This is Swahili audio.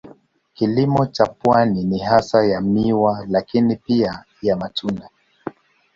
Kilimo cha pwani ni hasa ya miwa lakini pia ya matunda.